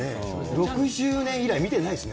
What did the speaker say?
６０年以来、見てないですね。